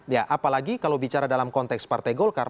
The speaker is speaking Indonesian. ya apalagi kalau bicara dalam konteks partai golkar